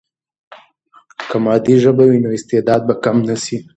که مادي ژبه وي، نو استعداد به کم نه سي.